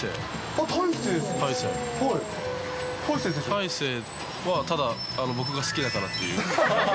大勢は、ただ、僕が好きだからっていう。